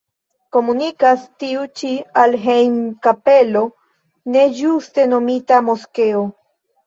Komunikas tiu ĉi al hejm-kapelo, ne ĝuste nomita moskeo.